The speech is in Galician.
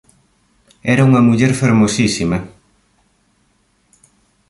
Era unha muller fermosísima.